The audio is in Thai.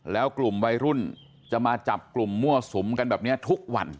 แล้วกลุ่มวัยรุ่นจะมาจับกลุ่มมั่วสุมกันแบบนี้ทุกวัน